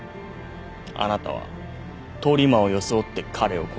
あなたは通り魔を装って彼を殺した。